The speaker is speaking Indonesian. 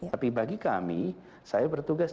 tapi bagi kami saya bertugas